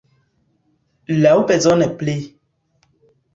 Laŭbezone pli.